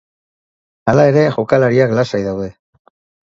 Hala ere, jokalariak lasai daude.